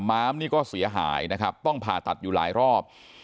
ม้ามนี่ก็เสียหายนะครับต้องผ่าตัดอยู่หลายรอบ